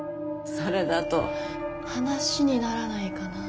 それだと話にならないかな。